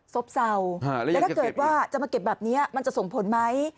ซบเศร้าแล้วถ้าเกิดว่าจะมาเก็บแบบนี้มันจะส่งผลไหม